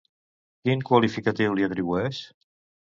Quin qualificatiu li atribueix?